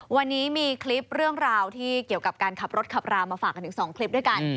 วันนี้มีคลิปเรื่องราวที่เกี่ยวกับการขับรถขับรามาฝากกันถึง๒คลิปด้วยกัน